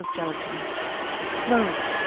of gelatine. Mode.